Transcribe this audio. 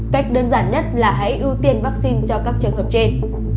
cách đơn giản nhất là hãy ưu tiên vaccine cho các trường hợp trên